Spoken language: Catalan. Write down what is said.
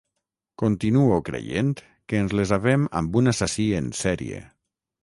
Continuo creient que ens les havem amb un assassí en sèrie.